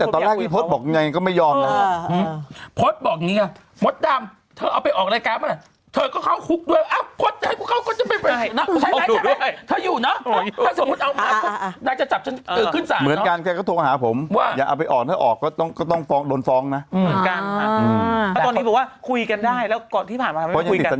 ตลอดที่พามาเขาอยากคุยด้วย